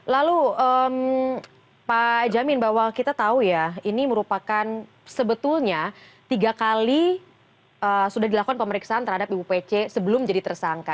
lalu pak jamin bahwa kita tahu ya ini merupakan sebetulnya tiga kali sudah dilakukan pemeriksaan terhadap ibu pece sebelum jadi tersangka